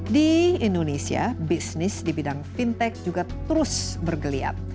di indonesia bisnis di bidang fintech juga terus bergeliat